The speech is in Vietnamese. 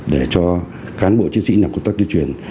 để cho cán bộ chiến sĩ làm công tác tuyên truyền